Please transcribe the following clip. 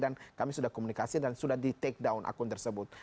dan kami sudah komunikasi dan sudah di take down akun tersebut